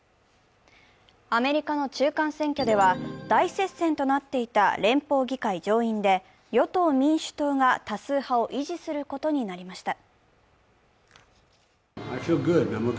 アメリカの中間選挙では大接戦となっていた連邦議会上院で、与党・民主党が多数派を維持することになりました。